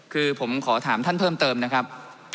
คือผมขอถามท่านเพิ่มเติมนะครับ